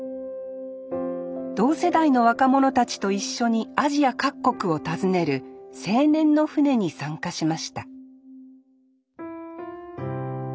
同世代の若者たちと一緒にアジア各国を訪ねる青年の船に参加しました